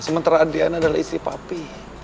sementara adiana adalah istri papi